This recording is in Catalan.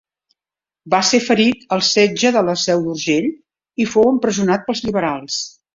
Va ser ferit al setge de la Seu d'Urgell i fou empresonat pels liberals.